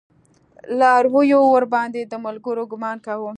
لارويو ورباندې د ملګرو ګمان کوه.